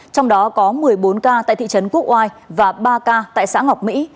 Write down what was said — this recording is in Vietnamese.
trong đó có một mươi bốn ca tại thị trấn quốc oai và ba ca tại xã ngọc mỹ